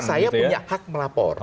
saya punya hak melapor